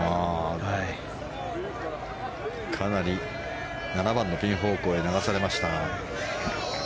かなり７番のピン方向へ流されました。